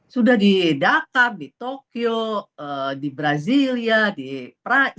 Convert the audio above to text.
sudah di dakar di tokyo di brasilia di prajurit